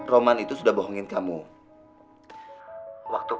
roman itu sudah bohongin kamu